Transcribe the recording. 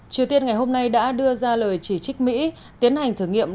triều tiên ngày hôm nay đã đưa ra lời chỉ trích mỹ tiến hành thử nghiệm